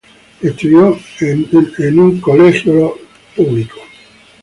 Estudió en el Colegio de los Jesuitas de Orihuela.